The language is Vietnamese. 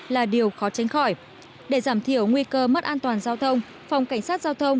là điều khó tránh khỏi để giảm thiểu nguy cơ mất an toàn giao thông phòng cảnh sát giao thông